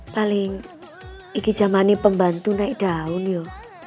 paling ini zaman pembantu naik daun ya